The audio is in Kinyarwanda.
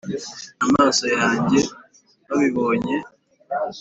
Amaso yanjye babibonye